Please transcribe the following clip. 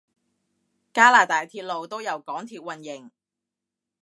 加拿大鐵路都由港鐵營運？